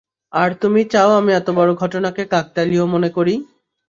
আর তুমি চাও আমি এতবড় ঘটনাকে কাকতালীয় মনে করি?